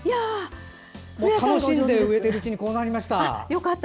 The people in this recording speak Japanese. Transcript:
楽しんで植えているうちにこうなりました。